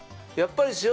やっぱり。